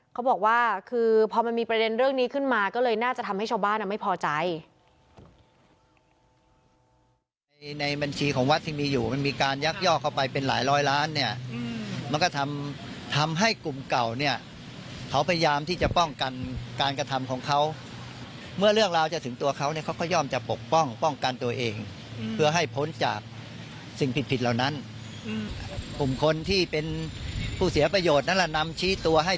เขาบอกว่าคือพอมันมีประเด็นเรื่องนี้ขึ้นมาก็เลยน่าจะทำให้ชาวบ้านไม่พอใจ